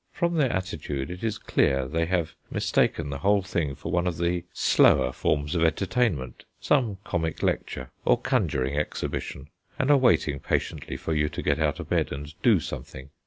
From their attitude it is clear they have mistaken the whole thing for one of the slower forms of entertainment, some comic lecture or conjuring exhibition, and are waiting patiently for you to get out of bed and do something.